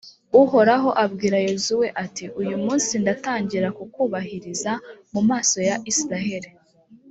uhoraho abwira yozuwe, ati «uyu munsi ndatangira kukubahiriza mu maso ya israheli.